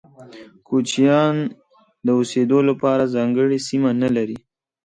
کوچيان د اوسيدو لپاره ځانګړي سیمه نلري.